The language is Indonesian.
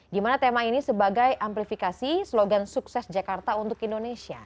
dimana tema ini sebagai amplifikasi slogan sukses jakarta untuk indonesia